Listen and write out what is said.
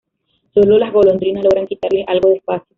Sólo las golondrinas logran quitarles algo de espacio.